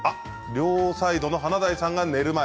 両サイドの華大さんが寝る前。